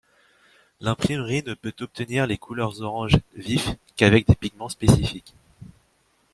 L'imprimerie ne peut obtenir les couleurs orange vif qu'avec des pigments spécifiques.